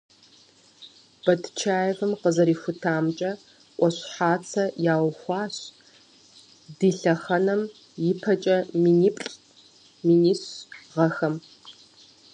Батчаевым къызэрихутамкӀэ, Ӏуащхьацэ яухуащ ди лъэхъэнэм ипэкӀэ миниплӏ - минищ гъэхэм.